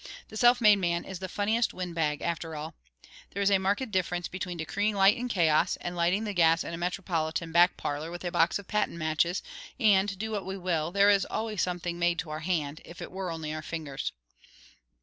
The self made man is the funniest windbag after all! There is a marked difference between decreeing light in chaos, and lighting the gas in a metropolitan back parlour with a box of patent matches; and do what we will, there is always something made to our hand, if it were only our fingers.